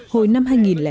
hồi năm hai nghìn một